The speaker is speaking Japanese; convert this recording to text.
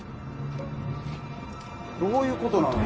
どういうことなの？